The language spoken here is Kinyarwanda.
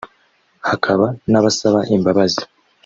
hakaba n’abasaba imbabazi